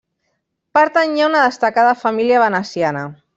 Pertanyia a una destacada família veneciana.